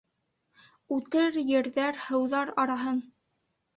Үтер ерҙәр, һыуҙар араһын.